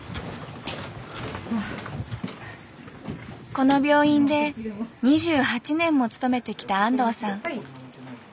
この病院で２８年も勤めてきた安藤さん。